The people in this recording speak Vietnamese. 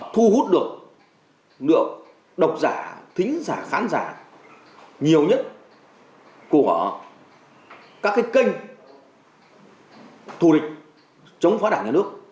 thu hút được lượng độc giả thính giả khán giả nhiều nhất của các cái kênh thù địch chống phá đảng nhà nước